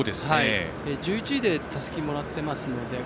１１位でたすきをもらっているので。